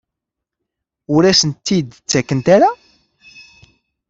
Ur asent-tt-id-ttakent ara?